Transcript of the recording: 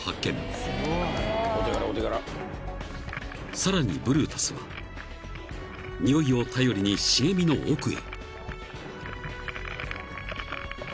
［さらにブルータスはにおいを頼りに茂みの奥へ］